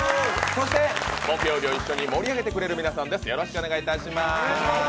そして木曜日を一緒に盛り上げてくれる皆さんです。